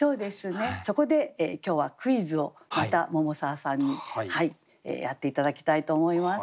そこで今日はクイズをまた桃沢さんにやって頂きたいと思います。